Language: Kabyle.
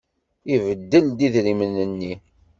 Ibeddel-d idrimen-nni.